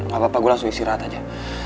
gak apa apa gue langsung isi rahat aja